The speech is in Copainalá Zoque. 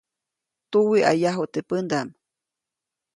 Tuwiʼayaju teʼ pändaʼm.